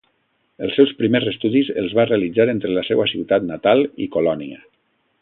Els seus primers estudis els va realitzar entre la seua ciutat natal i Colònia.